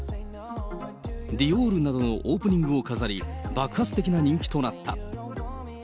ディオールなどのオープニングを飾り、爆発的な人気となった。